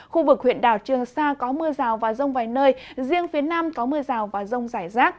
khu vực huyện đảo trường sa có mưa rào và rông vài nơi riêng phía nam có mưa rào và rông rải rác